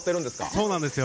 そうなんですよ。